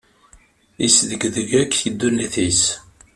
Isdegdeg akk ddunit-is.